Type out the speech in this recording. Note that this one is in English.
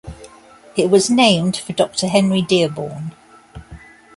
It was named for Doctor Henry Dearborn.